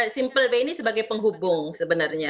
simpleway ini sebagai penghubung sebenarnya